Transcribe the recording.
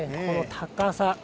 この高さ。